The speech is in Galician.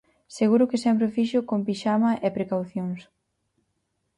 Seguro que sempre o fixo con pixama e precaucións.